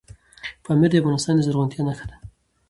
پامیر د افغانستان د زرغونتیا نښه ده.